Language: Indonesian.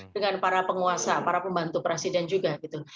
dengan para penguasa para pembantu presiden juga gitu